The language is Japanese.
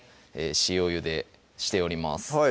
塩ゆでしております